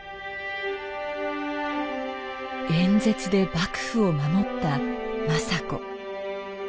演説で幕府を守った政子。